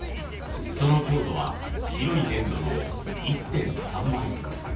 その強度は白い粘土の１．３倍。